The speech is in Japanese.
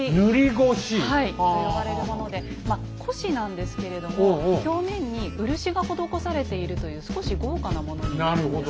はいと呼ばれるものでまあ輿なんですけれども表面に漆が施されているという少し豪華なものになるんですね。